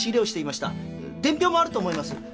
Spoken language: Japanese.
伝票もあると思います。